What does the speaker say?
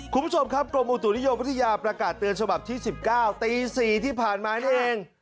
คุณผู้ชมครับกรมอุตุนิยมวิทยาประกาศเตือนฉบับที่๑๙ตี๔ที่ผ่านมานี่เอง